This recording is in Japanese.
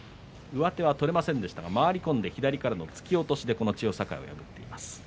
上手は取れませんでしたが回り込んで左からの突き落としでこの千代栄を破っています。